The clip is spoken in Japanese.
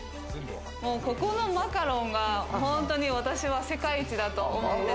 ここのマカロンが、本当に私は世界一だと思うんで。